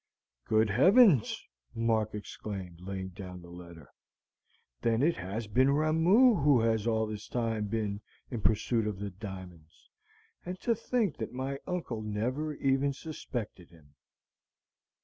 "Good Heavens!" Mark exclaimed, laying down the letter. "Then it has been Ramoo who has all this time been in pursuit of the diamonds; and to think that my uncle never even suspected him!"